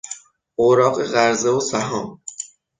اوراق قرضه و سهام